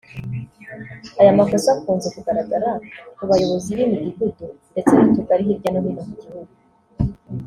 Aya makosa akunze kugaragara ku bayobozi b’imidugudu ndetse n’utugari hirya no hino mu gihugu